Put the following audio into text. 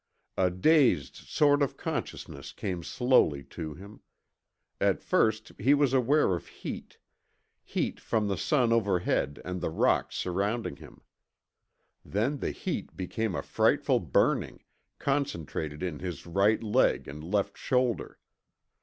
A dazed sort of consciousness came slowly to him. At first he was aware of heat heat from the sun overhead and the rocks surrounding him. Then the heat became a frightful burning, concentrated in his right leg and left shoulder.